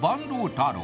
太郎